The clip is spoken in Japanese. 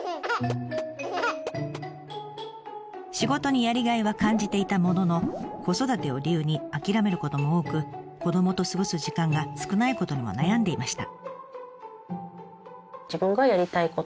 仕事にやりがいは感じていたものの子育てを理由に諦めることも多く子どもと過ごす時間が少ないことにも悩んでいました。